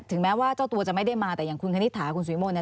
แม้ว่าเจ้าตัวจะไม่ได้มาแต่อย่างคุณคณิตถาคุณสุวิมลเนี่ย